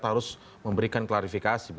harus memberikan klarifikasi